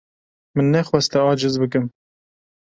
Min nexwest te aciz bikim.